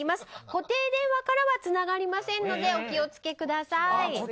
固定電話からはつながりませんのでお気を付けください。